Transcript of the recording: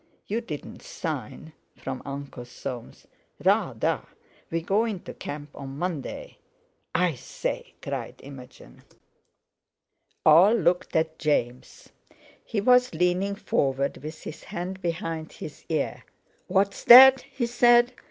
"You didn't sign?" from Uncle Soames. "Rather! We go into camp on Monday." "I say!" cried Imogen. All looked at James. He was leaning forward with his hand behind his ear. "What's that?" he said.